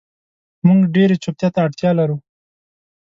مونږ ډیرې چوپتیا ته اړتیا لرو